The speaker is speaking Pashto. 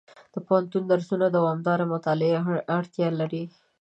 د پوهنتون درسونه د دوامداره مطالعې اړتیا لري.